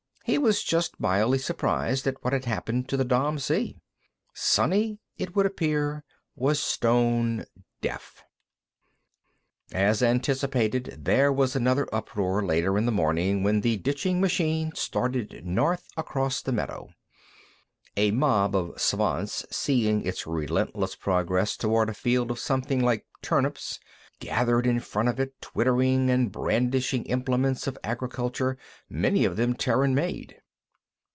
He was just mildly surprised at what had happened to the Dom. C. Sonny, it would appear, was stone deaf. As anticipated, there was another uproar later in the morning when the ditching machine started north across the meadow. A mob of Svants, seeing its relentless progress toward a field of something like turnips, gathered in front of it, twittering and brandishing implements of agriculture, many of them Terran made.